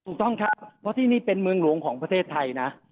ถูกต้องครับเพราะที่นี่เป็นเมืองหลวงของประเทศไทยนะ